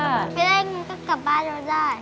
ไม่ได้งั้นก็กลับบ้านเราได้